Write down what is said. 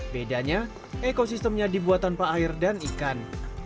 bedanya ekosistemnya dibuat tanpa air dan ikan